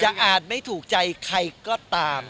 อาจไม่ถูกใจใครก็ตาม